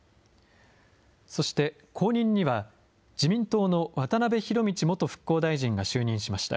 そして、後任には、自民党の渡辺博道元復興大臣が就任しました。